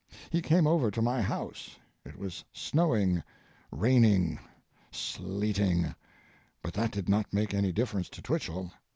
He came over to my house—it was snowing, raining, sleeting, but that did not make any difference to Twichell.